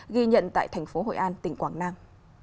ghi nhận tại thành phố hội an tỉnh quảng nam